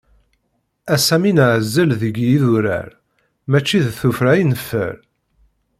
Ass-a mi neɛzel deg yidurar, mačči d tufra i neffer.